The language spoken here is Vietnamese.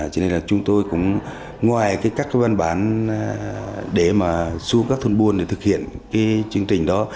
cho nên là chúng tôi cũng ngoài các cái văn bản để mà xuống các thôn buôn để thực hiện cái chương trình đó